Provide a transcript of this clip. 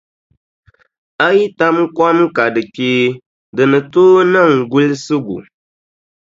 A yi tam kom ka di kpee di ni tooi niŋ gulisigu.